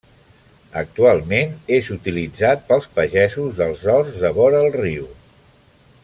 Actualment és utilitzat pels pagesos dels horts de vora el riu.